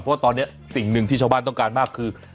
เพราะว่าตอนนี้สิ่งหนึ่งที่ชาวบ้านต้องการมากคือ